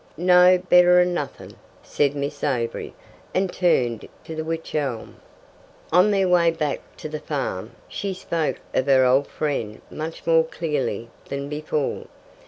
"No, better'n nothing," said Miss Avery, and turned to the wych elm. On their way back to the farm she spoke of her old friend much more clearly than before.